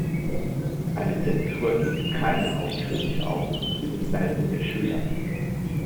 Eine Zensur gibt keine ausführliche Auskunft über die Leistung der Schüler.